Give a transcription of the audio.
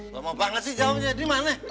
lama banget sih jawabnya dimana